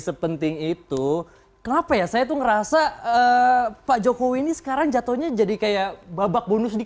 sepenting itu kenapa ya saya tuh ngerasa pak jokowi ini sekarang jatuhnya jadi kayak babak bonus di